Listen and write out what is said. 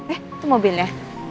eh itu mobilnya